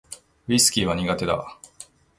ウィスキーは苦手だ